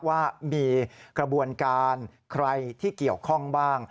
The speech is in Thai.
ว่ามีกระบวนการใครที่เกี่ยวข้องบ้าง